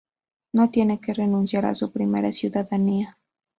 No tiene que renunciar a su primera ciudadanía.